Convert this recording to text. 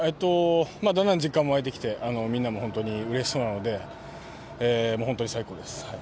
だんだん実感も湧いてきてみんなもうれしそうなので本当に最高です。